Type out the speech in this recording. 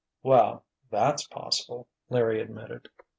"Well—that's possible," Larry admitted.